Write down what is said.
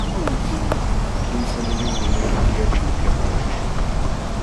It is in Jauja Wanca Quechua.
Kimsa muyunmi enero killaćhu upyapaakuśhun.